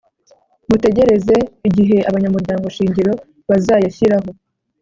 Mutegereze igihe abanyamuryango shingiro bazayashyiraho.